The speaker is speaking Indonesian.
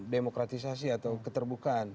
demokratisasi atau keterbukaan